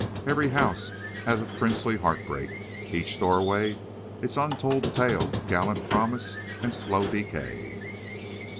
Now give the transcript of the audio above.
Every house has a princely heartbreak; each doorway its untold tale of gallant promise and slow decay.